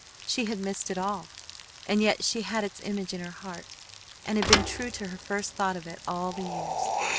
She had missed it all; and yet she had its image in her heart, and had been true to her first thought of it all the years.